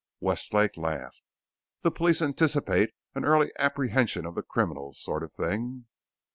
Westlake laughed. "'The police anticipate an early apprehension of the criminals,' sort of thing."